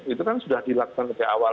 itu kan sudah dilakukan sejak awal